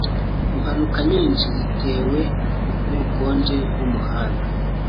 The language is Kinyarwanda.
Impanuka nyinshi zatewe nubukonje bwumuhanda.